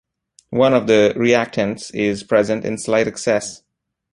One of the reactants is present in slight excess.